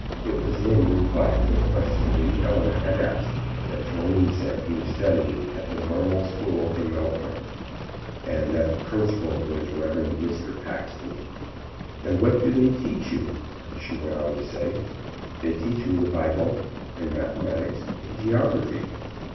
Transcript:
It was in reply to a question Lady Helena had asked, that Toline said he was studying at the Normal School in Melbourne, and that the principal was the Reverend Mr. Paxton. "And what do they teach you?" she went on to say. "They teach me the Bible, and mathematics, and geography."